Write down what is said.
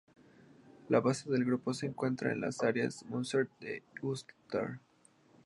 La base del grupo se encuentra en las áreas de Munster y el Ulster.